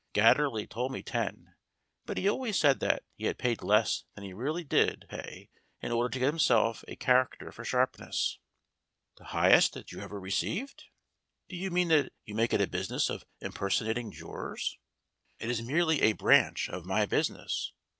Gatterley told me ten, but he always says that he had paid less than he really did pay in order to get himself a char acter for sharpness. "The highest that you ever received ? Do you mean that you make it a business of impersonating jurors?" "It is merely a branch of my business.